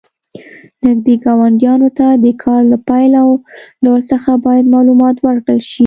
نږدې ګاونډیانو ته د کار له پیل او ډول څخه باید معلومات ورکړل شي.